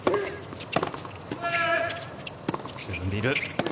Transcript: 沈んでいる。